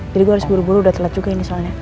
jadi gue harus buru buru udah telat juga ini soalnya